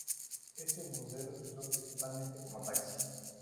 Este modelo se usó principalmente como taxi.